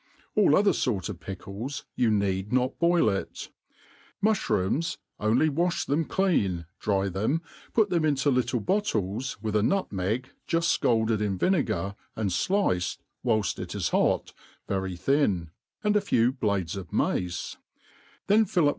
AH other fort of pickles you need not boil it. Mufbrooms only wafh them clean, dry them, put them into little bottles, with a nutmeg juft fcalded in vinegar, and diced (whitft it is hot} very thin, and a few blades of mace i then fill up.